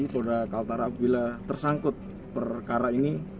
bapak kapolda kaltara bila tersangkut perkara ini